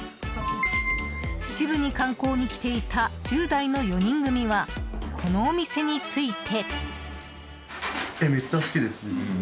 秩父に観光に来ていた１０代の４人組はこのお店について。